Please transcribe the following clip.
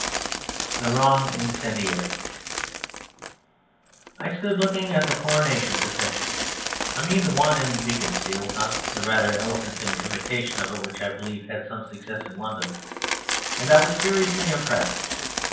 THE WRONG INCENDIARY I stood looking at the Coronation Procession I mean the one in Beaconsfield; not the rather elephantine imitation of it which, I believe, had some success in London and I was seriously impressed.